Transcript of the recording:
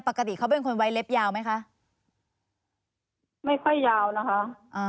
ปกติเขาเป็นคนไว้เล็บยาวไหมคะไม่ค่อยยาวนะคะอ่า